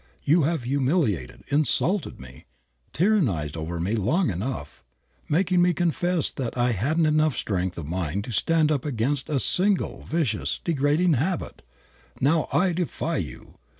You have humiliated, insulted me, tyrannized over me long enough, making me confess that I hadn't enough strength of mind to stand up against a single vicious, degrading habit. Now I defy you.